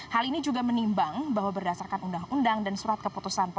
hal ini juga menimbang bahwa berdasarkan undang undang dan surat keputusan pemerintah